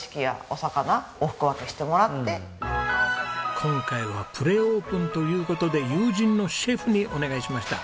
今回はプレオープンという事で友人のシェフにお願いしました。